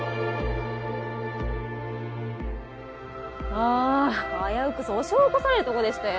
ああ危うく訴訟起こされるとこでしたよ。